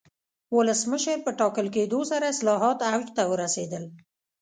ولسمشر په ټاکل کېدو سره اصلاحات اوج ته ورسېدل.